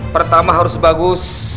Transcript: pertama harus bagus